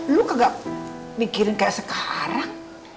lu gak mikirin kayak sekarang